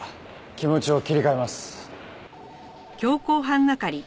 気持ちを切り替えます！